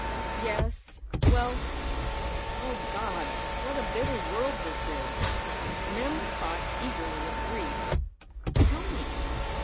Yes. Well O God ! what a bitter world this is !" Mem caught eagerly at grief. "Tell me!